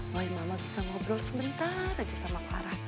boy mama bisa ngobrol semenitah aja sama clara